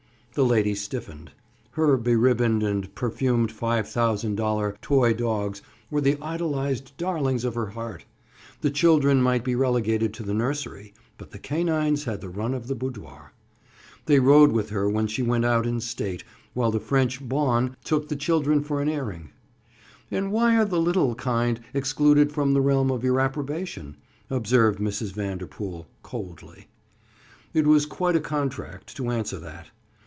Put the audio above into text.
The lady stiffened. Her beribboned and perfumed five thousand dollar toy dogs were the idolized darlings of her heart. The children might be relegated to the nursery but the canines had the run of the boudoir. They rode with her when she went out in state while the French bonne took the children for an airing. "And why are the 'little kind' excluded from the realm of your approbation?" observed Mrs. Vanderpool coldly. It was quite a contract to answer that.